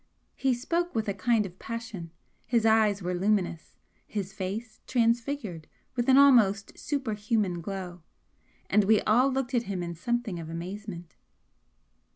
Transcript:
He spoke with a kind of passion his eyes were luminous his face transfigured with an almost superhuman glow, and we all looked at him in something of amazement.